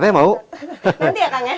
nanti ya kang ya